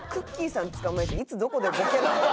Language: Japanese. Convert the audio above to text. さん捕まえて「いつどこでボケるか」。